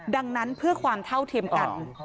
ดังนั้นเพื่อความเท่าเทียมกัน